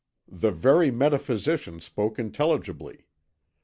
"The very metaphysicians spoke intelligibly.